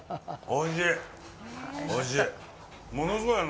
おいしい。